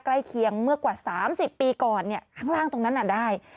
ใกล้เคียงเมื่อกว่า๓๐ปีก่อนข้างล่างตรงนั้นได้